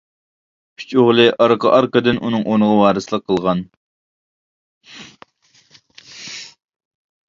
ئۈچ ئوغلى ئارقا-ئارقىدىن ئۇنىڭ ئورنىغا ۋارىسلىق قىلغان.